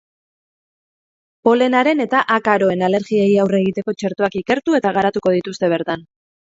Polenaren eta akaroen alergiei aurre egiteko txertoak ikertu eta garatuko dituzte bertan.